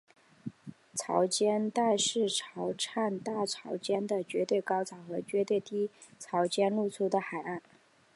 潮间带是在潮汐大潮期的绝对高潮和绝对低潮间露出的海岸。